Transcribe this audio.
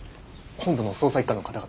本部の捜査一課の方々です。